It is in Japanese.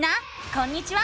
こんにちは！